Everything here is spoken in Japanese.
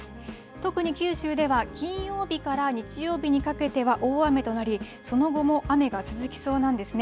特に九州では金曜日から日曜日にかけては大雨となり、その後も雨が続きそうなんですね。